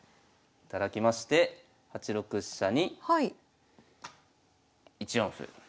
頂きまして８六飛車に１四歩。